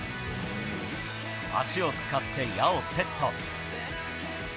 足を使って矢をセット。